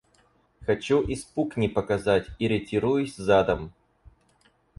Хочу испуг не показать — и ретируюсь задом.